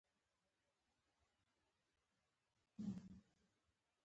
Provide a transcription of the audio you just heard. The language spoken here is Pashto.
دا کتیبې د طلاتپې تر زرینې خزانې ډېرې مهمې دي.